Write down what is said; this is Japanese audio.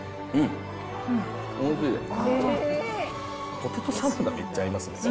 ポテトサラダめっちゃ合いますね。